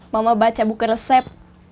mama baca buku resep